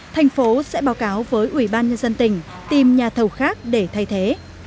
thành phố sẽ báo cáo với ủy ban nhân dân tỉnh tìm nhà thầu khác để thay thế